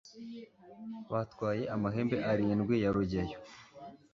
batwaye amahembe arindwi ya rugeyo